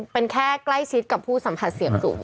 เป็นแค่ใกล้ชิดกับผู้สัมผัสเสี่ยงสูง